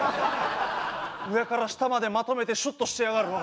上から下までまとめてシュッとしてやがる。